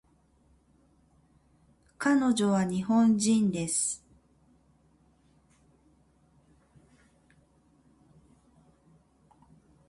彼女は日本人です